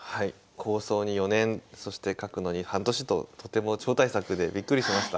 構想に４年そして描くのに半年ととても超大作でびっくりしました。